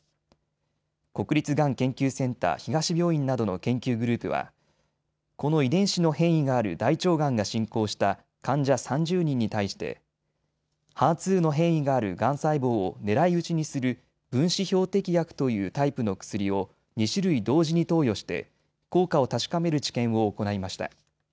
国立がん研究センター東病院などの研究グループはこの遺伝子の変異がある大腸がんが進行した患者３０人に対してＨＥＲ２の変異があるがん細胞を狙い撃ちにする分子標的薬というタイプの薬を２種類同時に投与して効果を確かめる治験を行いました。